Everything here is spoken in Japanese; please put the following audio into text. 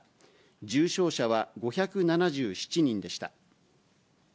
重症者は５７７人でした。